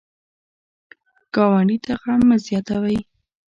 ګاونډي ته غم مه زیاتوئ